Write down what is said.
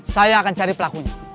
saya akan cari pelakunya